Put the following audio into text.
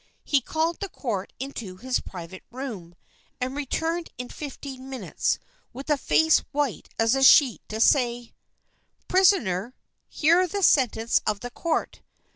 He called the court into his private room, and returned in fifteen minutes, with a face white as a sheet, to say: "Prisoner, hear the sentence of the Court!